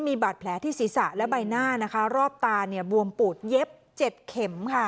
มีบาดแผลที่ศีรษะและใบหน้านะคะรอบตาเนี่ยบวมปูดเย็บเจ็ดเข็มค่ะ